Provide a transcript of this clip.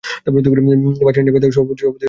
ভাসানী ন্যাপের সভাপতির দায়িত্ব পালন করেন।